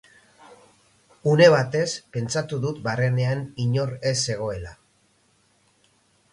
Une batez, pentsatu dut barrenean inor ez zegoela.